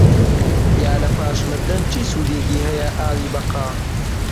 یا لە پاش مردن چ سوودێکی هەیە ئاوی بەقا؟